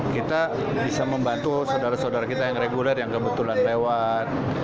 kita bisa membantu saudara saudara kita yang reguler yang kebetulan lewat